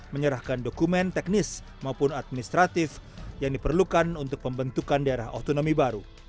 menyerahkan dokumen teknis maupun administratif yang diperlukan untuk pembentukan daerah otonomi baru